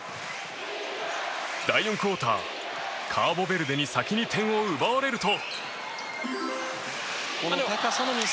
第４クオーター、カーボベルデに先に点を奪われると。